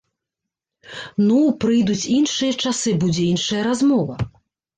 Ну, прыйдуць іншыя часы, будзе іншая размова.